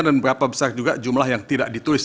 dan berapa besar juga jumlah yang tidak ditulis